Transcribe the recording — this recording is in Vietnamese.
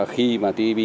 khi mà tpp